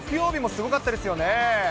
すごかったですよね。